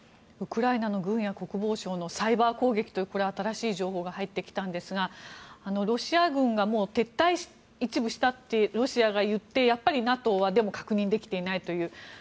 ウクライナの軍や国防省のサイバー攻撃というこれ、新しい情報が入ってきたんですがロシア軍が撤退、一部したとロシアが言ってやっぱりＮＡＴＯはでも確認できていないという。